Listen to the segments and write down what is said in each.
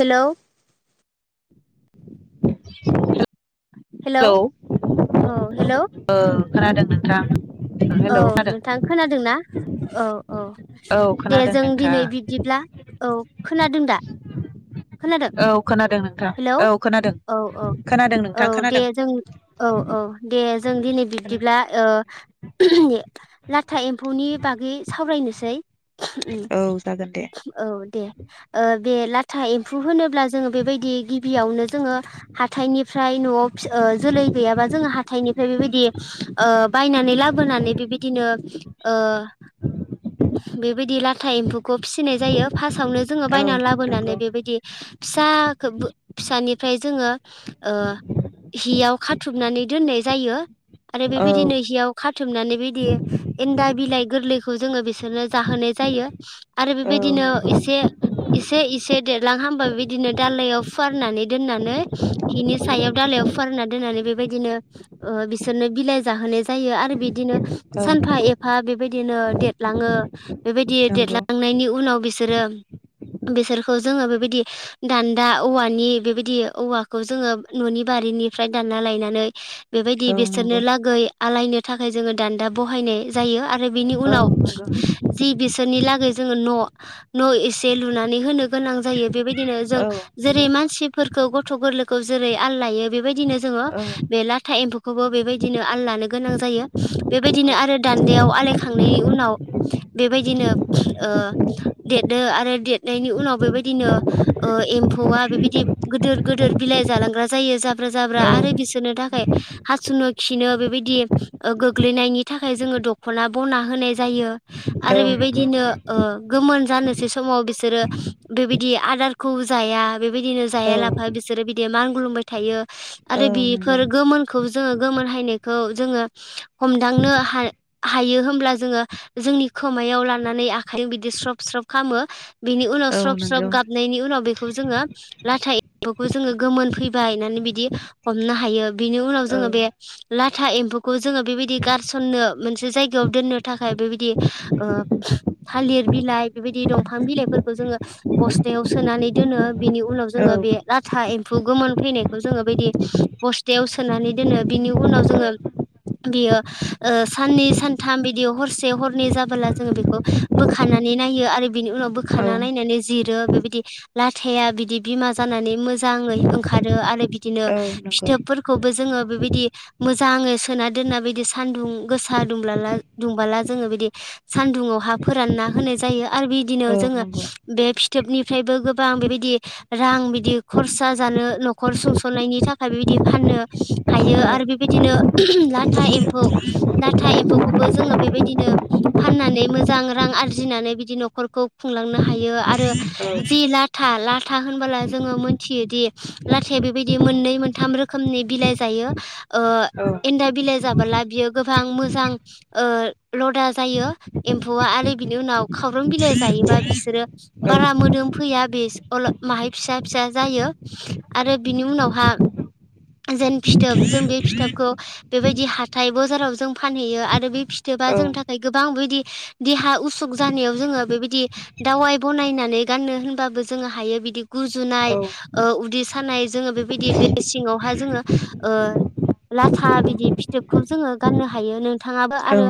Hello [inaudible] hello hello ओं औ hello खोनादों नोंथां। हेलौ औ खोनादों नोंथां खोनादोंना औ औ औ दे खोनादों जों नोंथां दिनै बिब्दिब्ला औ। खोनादों दा? खोनादों? नादों ना हेलौ औ ओ औ नोंथां दे खोनादों जों औ औ दे जों दिनै बिब्दिब्ला ओ लाथा एम्फौनि बागै सावरायनोसै। उम औ जागोन दे औ दे। ओ बे लाथा एम्फौ होनोब्ला जोङो बेबायदि गिबियावनो जोङो हाथायनिफ्राय न'आव फि ओ जोलै गैयाबा जों हाथायनिफ्राय बेबायदि दि ओ बायनानै लाबोनानै बेबायदिनो ओ बेबायदि लाथ थाइम खौ फिसिनाय जायो फासावनो जोङो औ बायना नंगौ लाबोनानै बेबायदि फिसाखोबो फिसानिफ्राय जोङो ओ हियाव खा थुबनानै दोननाय जायो। आरो औ बेबायदिनो हियाव खाथुमनानै बिदि एनदा बिलाइ गोरलै खौ जोङो बिसोरनो जाहोनाय जायो । आरो औ बेबायदिनो नंगौ एसे एसे एसे देर लां हामबा बिदिनो दालइायाव फुवारनानै दोननानै औ बिनि सायाव नंगौ दालायाव फुवारनानै दोननानै बेबायदिनो ओ बिसोरनो बिलाइ जाहोनाय जायो। आरो बिदिनो सानफा एफा बे बेबायदिनो देरलाङो । बेबायदि देरलांनायनि उनाव बिसो रो बिसोरखौ जोङो बेबायदि दानदा औवानि बेबायदि औवाखौ जोङो ननि बारिनिफ्राय दानना लायनानै बेबायदि औ नंगौ औ बिसोरनो नंगौ लागै‌ आलायनो थाखाय जोङो दान्दा बहायनाय जायो। आरो आरो बेनि उनाव जिबि सोरनि लाै जोङो न' न' एसे लुनानै होनो गोनां जायो । बेबायदिनो जों जेरै मानसिफोरखौ गथ गोरलैखौ जेरै आलायो बेबायदिनो जोङो बे लाथा एम्फैखोबो बेबायदिनो आललानो गोनां जायो ।बेबायदिनो आरो दान्दायाव आलाय खांनायनि उनाव बेबायदिनो ओ देदो आरो देरनायनि उनाव बेबायदिनो ओ एम फौवा बेबायदि गिदिर गिदिर बिलाइ जालांग्रा जायो जाब्रा जाब्रा आरो बिसोरनो थाखाय हासुनो खिनो बेबायदि गोग्लैनायनि थाखाय जोङो दख'ना बना होनाय जायो। आरो बेबायदिनो ओ गोमोन जानोसै समाव बिसोरो बेबायदि आदारखौ जाया। बेबायदिनो औ नंगौ औ नंगौ औ जाया लाफा बिसोरो बिदि मान गुलुंबाय थायो। औ आरो बेफोर नंगौ गोमोनखौ जोङो गोमोन हायनायखौ जोङो हमदांनो हा हायो होमब्ला जोङो जोंनि खोमायाव लानानै आखायदों बिदि स्रब स्रब खामो। बेनि उनाव स्रब स्रब गाबनायनि उनाव बे खौ जोङो। लाथा एम्फौखौ जोङो गोमोन फैबाय होन्नानै बिदि हमनो हायो ।बिनि उनाव जोङो बे लाथा एम्फौखौ जोङो बेबायदि गारसन्नो मोनसे जायगायाव दोन्नो थाखाय बेबायदि ओ थालिर बिलाइ बेबायदि दंफां बिलाइफोरखौ जोङो बसथायाव सोनानै दोनो । बिनि उनाव जोङो बे लाथा एम्फौ गोमोन फैनायखौ जोङो बिदि बस्तायाव सोनानै दोनो बिनि उनाव जोङो बियो ओ साननै सानथाम बिदि हरसे हरनै जाबोला जों बेखौ बोखानानै नायो आरो बिनि उनाव औ नंगौ औ नंगौ औ बोखाना नायनानै जिरो बेबायदि ला थाया बिदि बिमा जानानै मोजाङै ओंखारो आरो बि दिनो औ नंगौ फिथोबफोरखौबो जोङो बेबायदि मोजाङै सोना दोनना बिदि सानदुं गोसा दुब्लाला दुंबोला जोङो बिदि सानदुङाव हा फोरानना होनाय जायो आरो बिदिनो औ जोङो नंगौ बे फिथोबनिफ्रायबो गोब बां बेबायदि रां बिदि खरसा जानो न'खर सुंसननायनि थाखाय बेबायदि फाननो हायो औ आरो बेबायदिनो लाथा एम्फौ लाथा एम्फौखौबो जोङो बेबायदिनो फाननानै मोजां रां आरजिनानै बिदि न'खरखौ खुंलांनो हायो आ रो औ जि ला था लाथा होनबोला जोङो मोनथियोदि लाथाया बे बायदि मोननै मोनथाम रोखोमनि बिलाइ जायो ओ औ एनदा बिलाइ जाबोला बियो गोबां मोजां ओ लदा जायो एमफौआ आरो बिनि उनाव खाव्रां बिलाइ जायोबा बिसोरो बारा मोदोम फैया । बिज अल' माहाय फिसा - फिसा जायो आरो बिनि उनावहा जेन फिथोब जों बे फिथोब खौ बेबायदि हाथाय बजाराव जों फानहैयो आरो बे फिथोबा जोंनि थाखाय गोबां बेदि देहा उसुख जानायाव जोङो बेबायदि दावाइ बनायनानै गाननो होनबाबो जोङो हायो बिदि गुजुनाय औ ओ उदै सानाय जोङो बेबायदि बे सिङावहाय जोङो ओ लाथा बिदि फिथोबखौ जोङो गाननो हायो नों थाङाबो औ आरो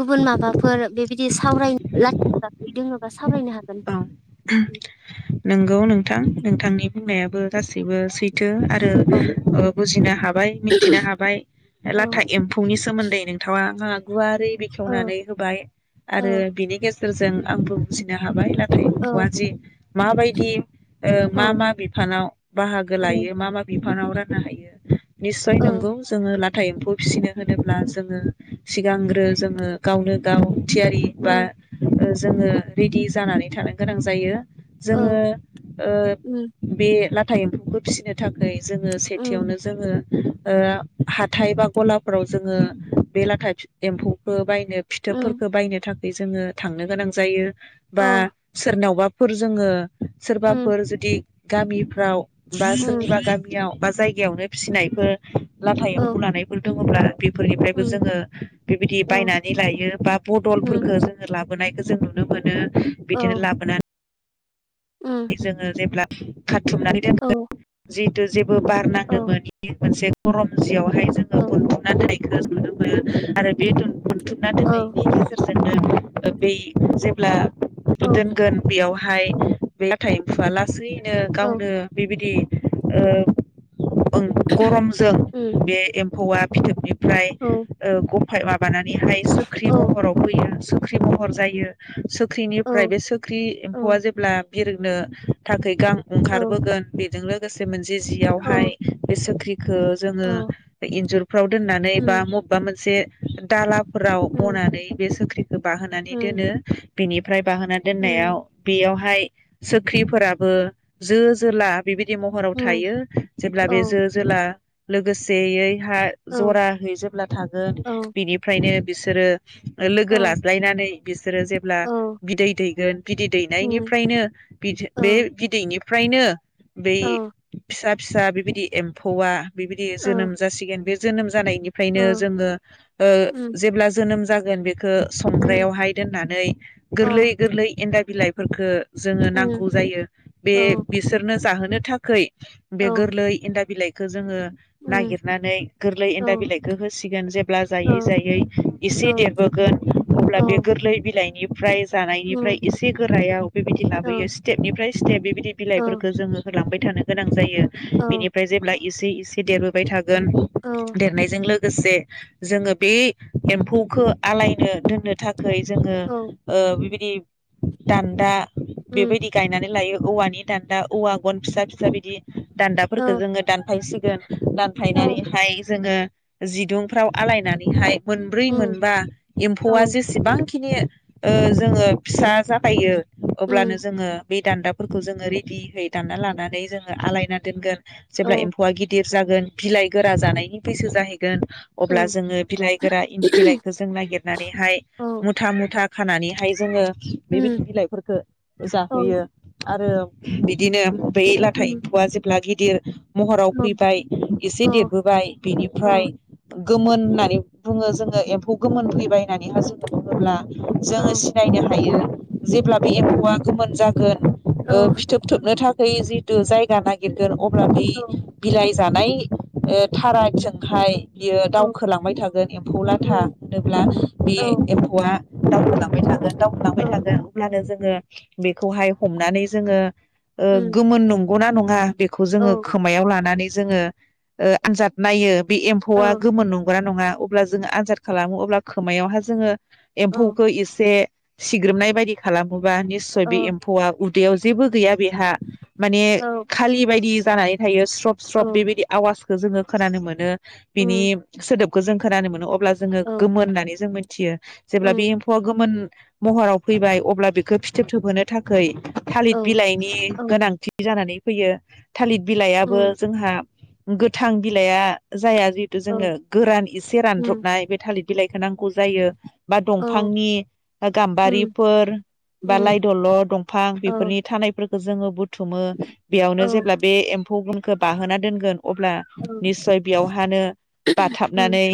गुबुन माबाफोर बेबायदि सावराय लाख [unintelligible] दोङोबा सावरायनो हागोन औ । नोंगौ नोंथां नोंथांनि बुंनायाबो गासैबो सैथो आरो औ ओ बुजिनो हाबाय मिथिनो हाबाय औ लाथा एम्फौनि सोमोन्दै नोंथावा गुवाद । औ बे-बेखेवनानै होबाय औ आरो बिनि गेजे सोरजों आंबो बुजिनो हाबाय ला [unintelligible] औ एमफौआनोसि माबायदि ओ मा औ मा बिफानाव बाहागो औ लायो मा मा बिफ बिफानाव राननो हायो । निस्सय औ नंगौ जोङो ला थाइ एम्फौ फिसिनो होनोब्ला जोङो सिगांग्रो जोङो गावनो गाव थियारि बा उम ओ जोङो रेडि जानानै थानो गोनां जायो । औ जोङो ओ उम बे ला थाइ एमफौखो फिसिनो थाखाय जोङो उम सेथियावनो जोङो ओ हाथाय बा गलाफोराव जोङो बे लाथा एम्फौखौ बाय नो फिथोबफोरखौ बायनो थाख बे जोङो थांनो गोनां जायो । बा सोरनावबा फोर जोङो सोरबाफोर जुदि गामिफ्राव बा सोरनिबा गामियाव बा जायगायावनो फिसिनायफोर लाथा एम्फौ लानायफोर दङ'ब्ला बेफोरनिफ्रायबो जोङो बेबायदि बायनानै लायो बा बदलफोरखो जोङो लाब बोनायखौ जों नुनो मोनो बिदिनो लाबोना जोङो जेब्ला [unintelligible] बुथुमनानै दोनो जि दुजिब बो बारनाङोमोन इनि मोनसे बरम बुजियाव बाय जोङो [unintelligible] हरनानै [unintelligible] होयो आरो बे मोनथुमना दोननायनि [unintelligible] बे जेब्ला दोनगोन बेयावहाय बे लाथा एमफुआ लासेै नो गावनो बेबायदि ओ ओं गरमजों बे एम्फौआ फिथोब फ्राय ओ बाय माबानानै बेहाय सुख्रि महराव फैयो ओंख्रि महर जायो। सुख्रिनिफ्राय बे इ एम्फौआ जेब्ला बिरनो थाखाय गां ओंखारबोगोन बेजोंनो दसे मोन जि जियावहाय बे सोख्रि खो जोङो इन्जुरफ्राव दोननानै बा मबेबा मोनसे दाला फोराव बनानै बे सोख्रि बाहोनानै दोनो। बिनिफ्राय बाहोन दोननायाव बेयाव बाहाय सोख्रिफोराबो जो जोला बिबायदि महराव थायो जेब्ला बे जो जोला लोगोसेयै हा जरा है जेब्ला थागोन बिनिफ्रायनो बिसोरो लोगो लाज्लायनानै सोरो जेब्ला बिदै दै बिदै दैनायनिफ्रायनो बे बिदैनि निफ्रायनो बे फिसा फिसा बेबायदि एम्फौआ बिबायदि जोनोम जासिगोन बे जोनोम जानाय निफ्रायनो जोङो ओ जेब्ला जोनोम जा गोन बे खो संग्रायावहाय दोननानै गोरलै गोरलै एन्न्दा बिलाइफोरफोरखो जोङो नांगौ जायो। बे बिसोरनो जाहो नो थाखै बे गोरलै एन्न्दा बिलाइ खो जोङो नागिरनानै गोरलै एन्न्दा बिलाइखौ होसिगोन जेब्ला जायै जायै एसे देरबोगोन अब्ला बे गोरलै बिलाइ निफ्राय जा फ्राय एसे गोरायाव बेबायदि लाबोयो स्टेपनिफ्राय स्थेफ बिदि बिलाइफोरखो जोङो होलांबाय थानो गोनां जा यो बेनिफ्राय जेब्ला एसे इसे देरबोबाय था गोन देरनायजों लो गोसे जोङो बे एम्फौखो आलायनो दोननो था खै जोङो ओ बिबायदि दान्दा बेबायदि गायनानै लायो औवानि दान्दा औवा गन फिसा फि [unintelligible] बिदि दान्दाफोरखौ औ जोङो दानफायसिगोन औ दानफायनानैहाय जोङो जिदुंफ्राव आलायनानैहाय मोनब्रै उम मोनबा एम्फौआ औ जेसेबांखि नि ओ जोङो फिसा जागायो। अब्लानो उम जोङो बे दान्दाफोरखौ जोङो रेडियै दान्ना लानानै जोङो आलायना दोनगोन। जेब्ला औ एम्फौआ गिदिर जागोन बिलाइ गोरा जानायनि बैसो जाहै गोन औ अब्ला जोङो बिलाइ गोरा इन्दि बिलाइखो जों नागिरनानैहाय मुथा मुथा खानानैहाय जोङो उम बेबायदि बिलाइफोरखौ औ जाहोयो आरो बिदिनो बेै लाथा उम एम्फौआ जेब्ला गि दिर महराव औ फैबाय एसे औ देरबोबाय औ बेनिफ्राय गोमोन होननानै बुङो जोङो एम्फौ गोमोन फैबाय होननानैहा जोङो बुङोब्ला जोङो औ सिनायनो हा हायो जेब्ला बे एम्फौआ गोमोन जागोन ओ औ फिथोब थोबनो थाख खै जिथु जायगा नागिरगोन अब्ला बे औ औ बिलाइ जानाय ओ थाराग जोंहाय बियो दावखोलांबाय थागोन एम्फौ लाथा उम होनोब्ला बे औ एम्फौआ दावखोलांबाय थागोन दावखोलांबाय थागोन अब्लानो जों ङो बेखौहाय हमनानै जोङो ओ उम गोमोन नंगौना नङा बेखौ औ जोङो खोमायाव लानानै जोङो ओ आनजाद नायो बे एम्फौआ औ गोमोन नंगोना नङा अब्ला जोङो आनजाद खालामो अब्ला खोमायावहा जोङो औ एम्फौखौ इसे सिग्रोमनाय बायदि खालामोबा निसय बे एम्फौआ उद दैयाव जेबो गैया । बेहा माने औ औ खालि बायदि जानानै थायोस स्रब स्रब बेबायदि आवाज जोङो खोनानो मोनो बिनि उम सोदोब खौ जों खोनानो मोनो अ ब्ला जोङो औ गोमोन होननानै जों मिन थियो जेब्ला बे उम एम्फौआ गोमोन महराव फैबाय अब्ला बेखौ फिथोब थोबहोनो थाखै थालिर औ औ बिलाइनि गोनांथि जानानै फैयो थालिर उम औ बिलायाबो जोंहा गोथां बिलाइया जाया जिहेथु जोंनो गोरान इसे उम औ उम रानद्रबनाय बे थालिर बिलाइखौ नांगौ जायो बा दंफांनि गाम्बारिफोर बा लाइ उम दल दंफां बिफोरनि औ औ थानायफोर जोङो बुथ थुमो बेयावनो औ जेब्ला बे एम्फौ गुनखौ बाहोना दोनगोन अब्ला उम निसय बेयावहानो औ उम औ उम औ बाथाबनानै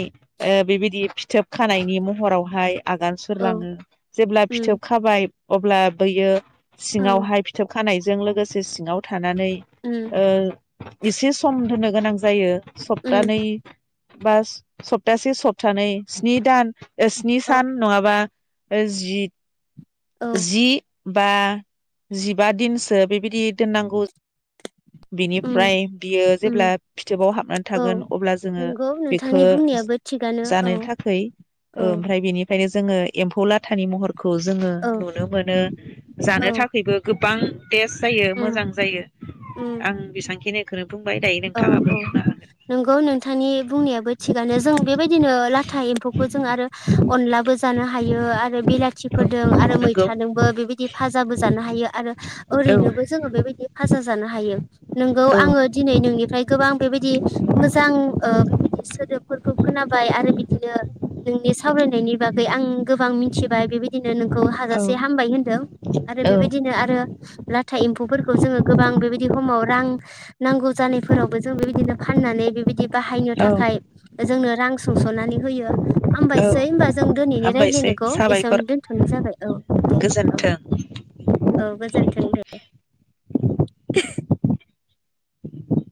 ओ बेबायदि फि थोब खानायनि महरावहाय आगान सुरलाङो जेब्ला फिथोब खाबाय अब्ला बैयो सिङावहाय फिथोब खानायजों लोगोसे सिङाव था थानानै ओ एसे सम होनो गोनां जायो सबतानै बास सप्तासे सप्तानै स्नि दान स्नि सान नङाबा ओ जि औ जि बा जिबा दिनसो बेबायदि दोननांगौ उम बिनिफ्राय बियो जेब्ला उम फिथोबाव हाबनानै औ थागोन अब्ला जोङो नंगौ बेखौ नोंथांनि बुंनायाबो थिगानो औ जानो थाखै ओ औ ओमफ्राय बेनिफ्रायनो जोङो एमफौ लात थानि महर खौ जोङो औ नुनो मोनो जानो औ थाखायबो गोब बां टेस्ट जायो उम मोजां जायो उम आं बेसेबांखिनिखौनो बुंबाय दायो औ औ नोंथाङाबो बुंनो हागोन नंगौ नोंथांनि बुंनायाबो थिगानो जों बेबायदिनो लाथा एम्फौखौ जों आरो अनलाबो जानो हायो आरो आरो बिलाथिफोरजों आरो औ नंगौ मैथाजोंबो बेबायदि फाजाबो जानो हायो आरो औ ओरैनोबो जोङो बेबायदि फाजा जानो हायो नोंगौ औ आङो दिनै नोंनिफ्राय गोबां बेबायदि मोजां ओ बि सोदोबफोरखौ खोनाबाय आरो बिदिनो नोंनि सावरायनायनि बागै आं गोबां मोनथिबाय बेबायदिनो नों खौ औ हाजासे हामबाय होनदों आरो औ बेबायदिनो आरो ला था एम्फौफोरखौ जोङो गोबां बेबायदि समाव रां नांगौ जानायफोरावबो जों बेबायदिनो फाननानै बेबायदि बाहायनो औ थाखाय जोंनो रां सुंस'नानै होयो औ हामबायसै होनोमबा जों दिनैनि हामबायसै रायज्लायनायखौ एसेयावनो साबायखर दोनथ'नाय जाबाय औ दे गोजोन्थों औ औ गोजोनथों दे